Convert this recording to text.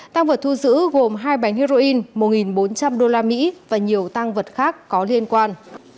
tang vật thu xử gồm hai bánh heroin một bốn trăm linh usd và nhiều tang vật khác có liên quan